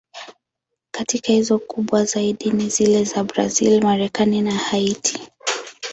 Katika hizo, kubwa zaidi ni zile za Brazil, Marekani na Haiti.